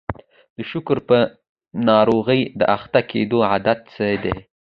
د شکرې په ناروغۍ د اخته کېدلو علت څه دی؟